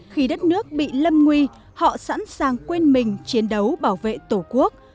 khi đất nước bị lâm nguy họ sẵn sàng quên mình chiến đấu bảo vệ tổ quốc